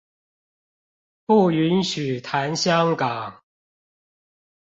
不允許談香港